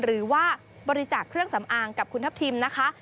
หรือว่าบริจาคเครื่องสำอางกับคุณทัพทิมนะคะ